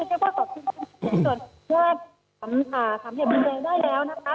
ขอบคุณทุกคนที่เห็นส่วนประเภทคำค่ะคำเหตุบิเศษได้แล้วนะคะ